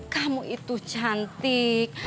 kamu itu cantik